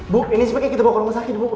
bu ini sepertinya kita bawa ke rumah sakit